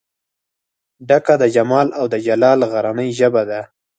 ډکه د جمال او دجلال غرنۍ ژبه ده